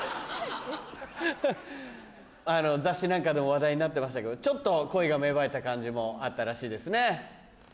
あの雑誌なんかでも話題になってましたけどちょっと恋が芽生えた感じもあったらしいですね？